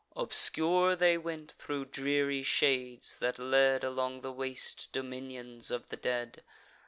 Obscure they went thro' dreary shades, that led Along the waste dominions of the dead.